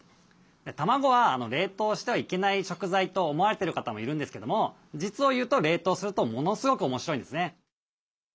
卵は冷凍してはいけない食材と思われてる方もいるんですけども実を言うと冷凍するとものすごく面白いんですね。